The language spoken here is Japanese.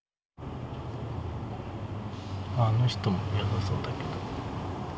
あの人も良さそうだけど。